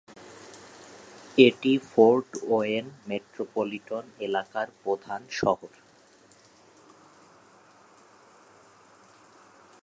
এটি Fort Wayne metropolitan এলাকার প্রধান শহর।